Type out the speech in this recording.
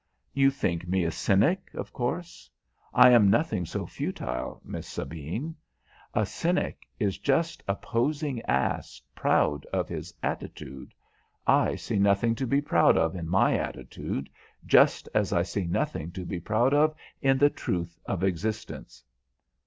"You think me a cynic, of course; I am nothing so futile, Miss Sabine. A cynic is just a posing ass proud of his attitude. I see nothing to be proud of in my attitude, just as I see nothing to be proud of in the truths of existence."